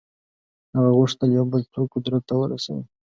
هغه غوښتل یو بل څوک قدرت ته ورسوي.